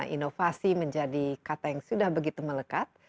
inovasi menjadi kata yang sudah begitu melekat